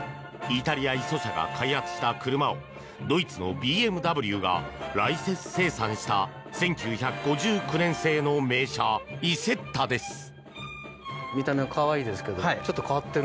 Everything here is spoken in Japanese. イタリア・イソ社が開発した車をドイツのＢＭＷがライセンス生産した１９５９年製の名車イセッタです。